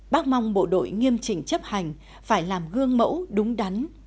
bác mong bộ đội nghiêm trình chấp hành phải làm gương mẫu đúng đắn